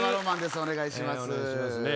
お願いしますね